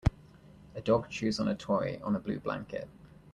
A dog chews on a toy on a blue blanket.